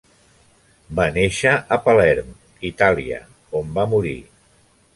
Va néixer a Palerm (Itàlia), on va morir.